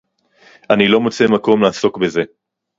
אני לא מוצא מקום לעסוק בזה